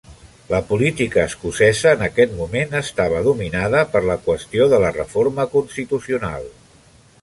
La política escocesa en aquest moment estava dominada per la qüestió de la reforma constitucional.